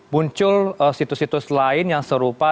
muncul situs situs lain yang serupa